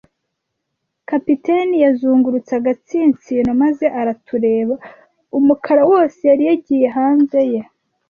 Kapiteni yazungurutse agatsinsino maze aratureba; umukara wose yari yagiye hanze ye